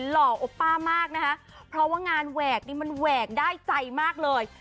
หล่อโอป้ามากนะคะเพราะว่างานแหวกนี่มันแหวกได้ใจมากเลย